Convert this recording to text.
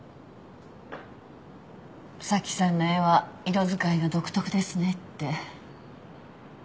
沙希さんの絵は色使いが独特ですねって。